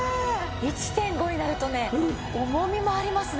１．５になるとね重みもありますね。